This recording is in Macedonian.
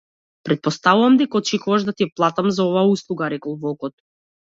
Претпоставувам дека очекуваш да ти платам за оваа услуга, рекол волкот.